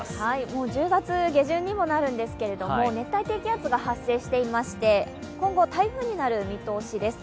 もう１０月下旬にもなるんですけれども熱帯低気圧が発生していまして今後台風になる見通しです。